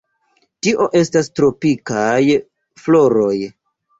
Tio estas tropikaj floroj.